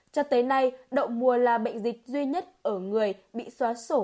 cho tới nay đậu mùa là bệnh dịch duy nhất ở người bị xóa sổ